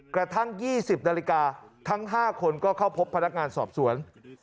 กระทั่ง๒๐นาฬิกาทั้ง๕คนก็เข้าพบพนักงานสอบสวน